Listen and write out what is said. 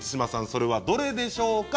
それはどれでしょうか？